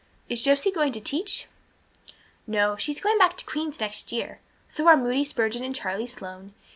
Is Josie going to teach?" "No, she is going back to Queen's next year. So are Moody Spurgeon and Charlie Sloane.